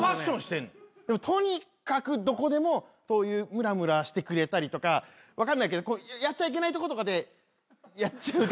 とにかくどこでもムラムラしてくれたりとか分かんないけどやっちゃいけないとことかでやっちゃう。